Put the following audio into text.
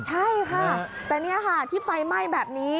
ใช่ค่ะแต่นี่ค่ะที่ไฟไหม้แบบนี้